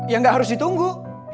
ya gak harus ditunggu